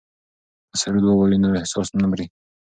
که سرود ووایو نو احساس نه مري.